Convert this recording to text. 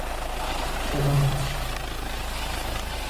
Chavantes